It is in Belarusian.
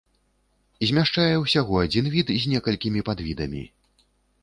Змяшчае ўсяго адзін від з некалькімі падвідамі.